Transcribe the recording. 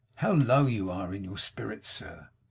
'How low you are in your spirits, sir!